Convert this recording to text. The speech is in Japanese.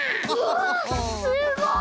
わすごい！